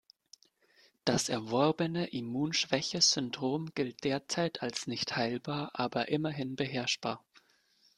Das erworbene Immunschwächesyndrom gilt derzeit als nicht heilbar, aber immerhin beherrschbar.